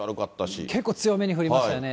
結構強めに降りましたよね。